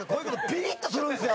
ピリッとするんですよ